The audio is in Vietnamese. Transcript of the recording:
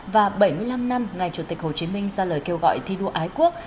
và bảy mươi năm năm ngày chủ tịch hồ chí minh ra lời kêu gọi thi đua ái quốc